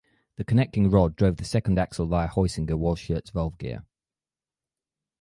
The connecting rod drove the second axle via Heusinger (Walschaerts) valve gear.